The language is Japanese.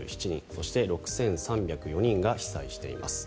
そして６３０４人が被災しています。